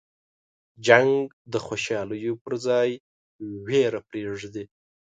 جنګ د خوشحالیو په ځای ویر پرېږدي.